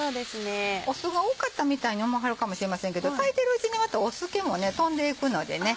酢が多かったみたいに思わはるかもしれませんけど炊いてるうちにあとお酢気も飛んでいくのでね。